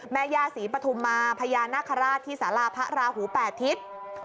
แม่ย่าศรีปฐุมมาพญานาคาราชที่สาราพระราหู๘ทิศ